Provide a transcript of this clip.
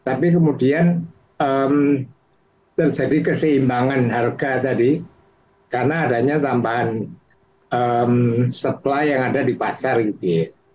tapi kemudian terjadi keseimbangan harga tadi karena adanya tambahan supply yang ada di pasar gitu ya